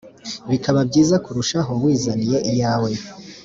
bikaba byiza kurushaho wizaniye iyawe